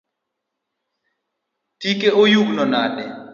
Tike oyugno nade?